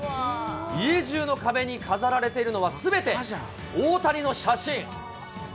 家中の壁に飾られているのは、すべて大谷の写真。